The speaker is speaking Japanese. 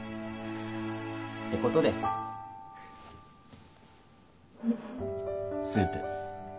てことでスープ。